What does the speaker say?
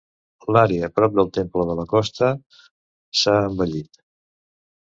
L'àrea prop del temple de la Costa, s'ha embellit.